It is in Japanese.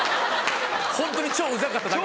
ホントに超うざかっただけ。